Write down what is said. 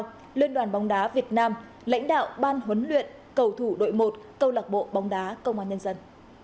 tổng liên đoàn bóng đá việt nam lãnh đạo ban huấn luyện cầu thủ đội một câu lạc bộ bóng đá công an nhân dân